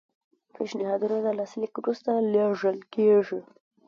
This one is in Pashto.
پیشنهاد د لاسلیک وروسته لیږل کیږي.